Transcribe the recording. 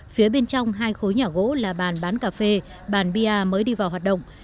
phía bên trong hai khối nhà gỗ là bàn bán cà phê bàn bia mới đi vào hoạt động